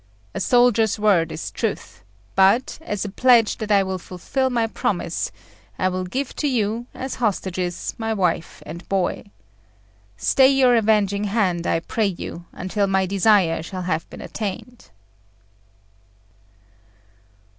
A soldier's word is truth; but, as a pledge that I will fulfil my promise, I will give to you, as hostages, my wife and boy. Stay your avenging hand, I pray you, until my desire shall have been attained."